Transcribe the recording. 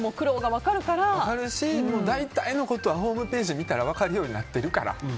分かるし、大体のことはホームページみたら分かるようになってるから。